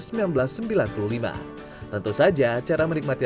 tentu saja cara menikmati ramennya adalah dengan mencoba